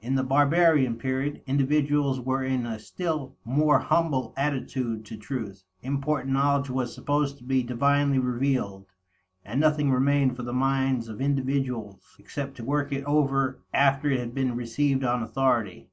In the barbarian period, individuals were in a still more humble attitude to truth; important knowledge was supposed to be divinely revealed, and nothing remained for the minds of individuals except to work it over after it had been received on authority.